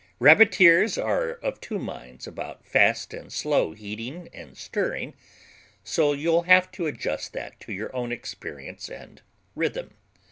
Rabbiteers are of two minds about fast and slow heating and stirring, so you'll have to adjust that to your own experience and rhythm.